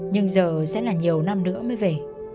nhưng giờ sẽ là nhiều năm nữa mới về